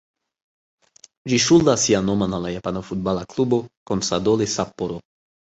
Ĝi ŝuldas sian nomon al la japana futbala klubo "Consadole Sapporo".